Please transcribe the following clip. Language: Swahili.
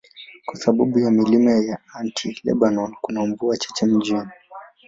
Kwa sababu ya milima ya Anti-Lebanon, kuna mvua chache mjini.